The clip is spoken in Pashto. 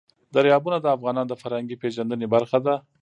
دریابونه د افغانانو د فرهنګي پیژندنې برخه ده.